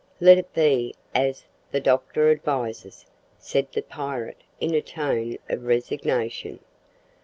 Let it be as the doctor advises," said the pirate in a tone of resignation.